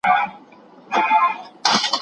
دوی په لرې ختيځ کي اورګاډي پټلۍ جوړه کړه.